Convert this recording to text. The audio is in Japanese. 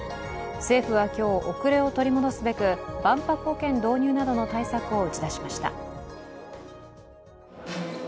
政府は今日、遅れを取り戻すべく万博保険導入などの対策を打ち出しました。